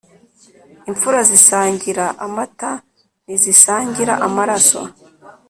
Imfura zisangira amata ntizisangira amaraso.